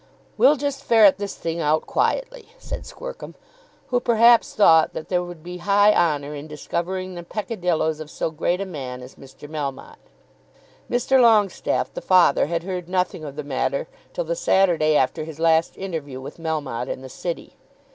"We'll just ferret this thing out quietly," said Squercum, who perhaps thought that there would be high honour in discovering the peccadillos of so great a man as Mr. Melmotte. Mr. Longestaffe, the father, had heard nothing of the matter till the Saturday after his last interview with Melmotte in the City.